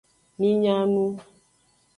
Mi nya nu.